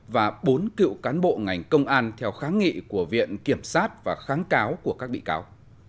và bốn cựu cán bộ ngành công an theo kháng nghị của viện kiểm sát và kháng cáo của các bị cáo